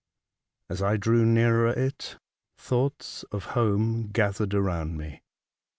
As I drew nearer it, thoughts of home gathered around me.